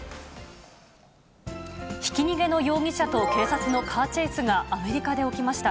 ひき逃げの容疑者と警察のカーチェイスが、アメリカで起きました。